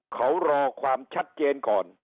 เขารอความชัดเจนก่อน